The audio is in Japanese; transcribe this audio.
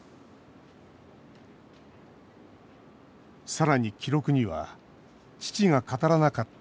さらに記録には父が語らなかった